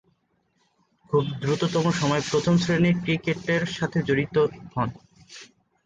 খুব দ্রুততম সময়েই প্রথম-শ্রেণীর ক্রিকেটের সাথে জড়িত হন।